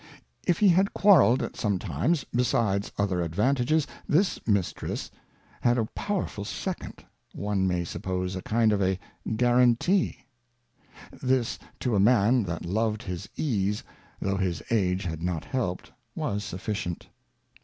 If he had quarelled at some times, besides other Advantages, this Mistress had a powerful Second (one may suppose a kind of a Guarantee) ; this to a Man that loved his Ease, though his Age had not helped, was sufficient.